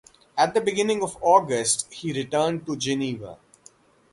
At the beginning of August, he returned to Geneva.